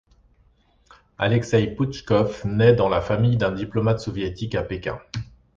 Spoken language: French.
Alexeï Pouchkov naît dans la famille d'un diplomate soviétique à Pékin.